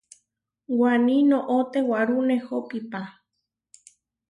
Waní noʼó tewarú nehó piʼpá.